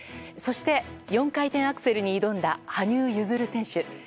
そして４回転アクセルに挑んだ羽生結弦選手。